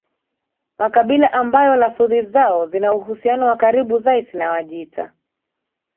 Makabila ambayo lafudhi zao zina uhusiano wa karibu zaisi na Wajita